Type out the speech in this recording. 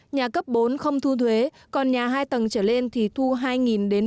nhà cấp bốn không thu thuế còn nhà hai tầng trở lên thì thu hai bốn đồng một m hai một năm